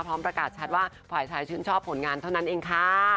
ประกาศชัดว่าฝ่ายชายชื่นชอบผลงานเท่านั้นเองค่ะ